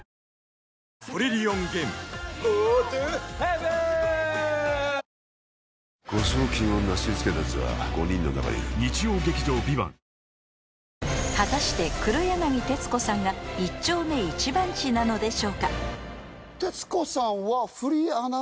「アサヒスーパードライ」果たして黒柳徹子さんが一丁目一番地なのでしょうか？